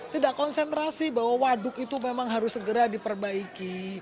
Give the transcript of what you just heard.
tidak konsentrasi bahwa waduk itu memang harus segera diperbaiki